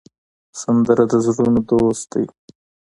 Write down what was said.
سندره د زړونو دوست ده